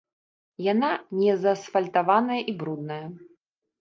Яна незаасфальтаваная і брудная.